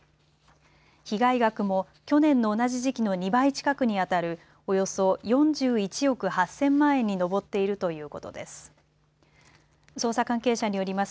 被害額も去年の同じ時期の２倍近くにあたるおよそ４１億８０００万円に上っているということです。